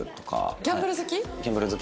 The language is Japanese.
ギャンブル好き？